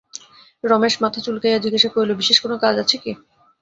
রমেশ মাথা চুলকাইয়া জিজ্ঞাসা করিল, বিশেষ কোনো কাজ আছে কি?